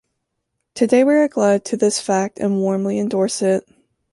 Today we are glad to this fact and warmly endorse it.